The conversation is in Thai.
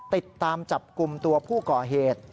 ติดตามจับกลุ่มตัวผู้ก่อเหตุ